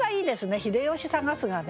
「秀吉探す」がね。